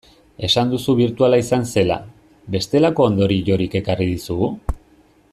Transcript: Esan duzu birtuala izan zela, bestelako ondoriorik ekarri dizu?